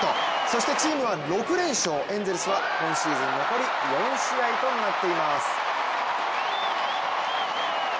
そしてチームは６連勝エンゼルスは今シーズン残り４試合となっています。